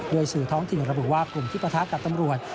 โดยสื่อท้องถิ่นระบุว่ากลุ่มที่ปะทะกับตำรวจ